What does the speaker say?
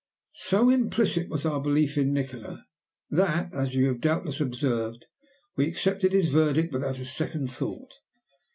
So implicit was our belief in Nikola that, as you have doubtless observed, we accepted his verdict without a second thought.